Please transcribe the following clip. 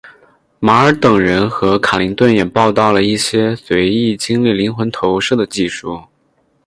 马尔等人和卡林顿也报道了一些随意经历灵魂投射的技术。